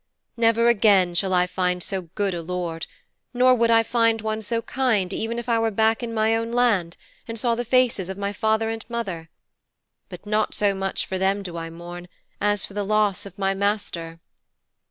Never again shall I find so good a lord, nor would I find one so kind even if I were back in my own land, and saw the faces of my father and my mother. But not so much for them do I mourn as for the loss of my master.'